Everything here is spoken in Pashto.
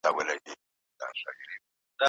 ایا علم په پښتو خپرېږي؟